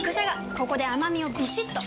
ここで甘みをビシッと！